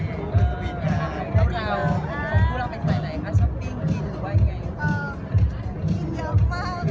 ซึ่งเราออกไปก่อนเทพสมัยเพื่อยังหลายคำมอบ